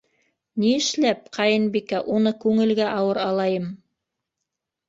— Ни эшләп, ҡәйенбикә, уны күңелгә ауыр алайым.